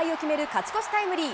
勝ち越しタイムリー。